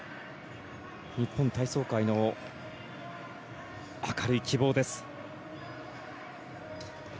日本体操界の明るい希望です。